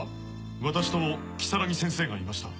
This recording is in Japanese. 私と如月先生がいました。